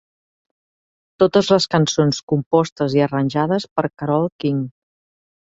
Totes les cançons compostes i arranjades per Carole King.